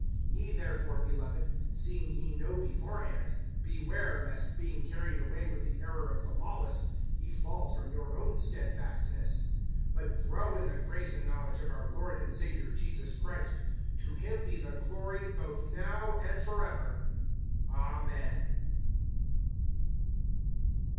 (17)Ye therefore, beloved, seeing ye know beforehand, beware lest, being carried away with the error of the lawless, ye fall from your own steadfastness. (18)But grow in the grace and knowledge of our Lord and Savior Jesus Christ. To him be the glory, both now and forever. Amen.